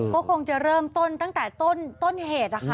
ก็คงจะเริ่มตั้งแต่ต้นเหตุ